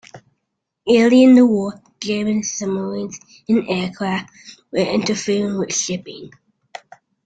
Early in the war, German submarines and aircraft were interfering with shipping.